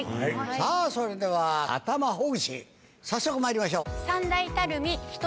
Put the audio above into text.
さぁそれでは頭ほぐし早速まいりましょう。